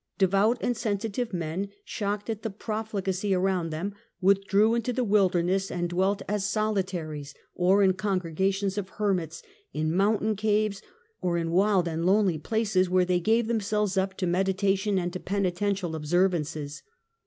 Devout and sensitive men, shocked at the profligacy around them, withdrew into the wilderness, and dwelt as solitaries, or in congregations of hermits, in mountain caves or in wild and lonely places, where they gave themselves up to meditation, and to penitential observances.